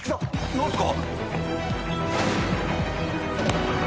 何すか？